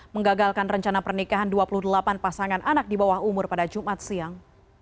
menggagalkan rencana pernikahan dua puluh delapan pasangan anak di bawah umur pada jumat siang